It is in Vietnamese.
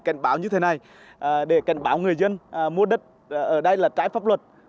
cảnh báo như thế này để cảnh báo người dân mua đất ở đây là trái pháp luật